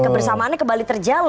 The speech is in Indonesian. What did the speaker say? kebersamaannya kembali terjalin